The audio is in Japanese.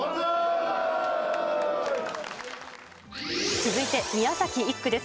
続いて、宮崎１区です。